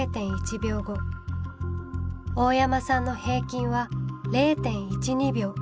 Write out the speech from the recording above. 大山さんの平均は０．１２秒。